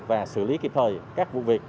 và xử lý kịp thời các vụ việc